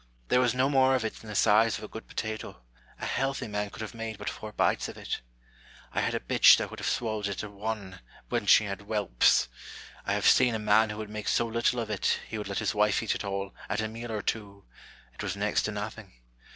There was no more of it than the size of a good potato ; a healthy man would have made but four bites of it j I had a bitch that would have swallowed it at one, when she had whelps. I have seen a man who would make so little of it, he would let his wife eat it all, at a meal or two ; it was next to nothing.